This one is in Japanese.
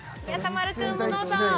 丸くんもどうぞ！